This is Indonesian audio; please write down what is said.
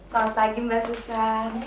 selamat pagi mbak susan